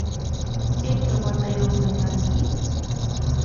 ¿Ayka watayuqmi kanki?